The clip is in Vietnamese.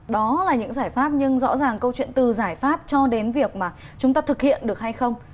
đó là những giải pháp nhưng rõ ràng câu chuyện từ giải pháp cho đến việc mà chúng ta thực hiện được hay không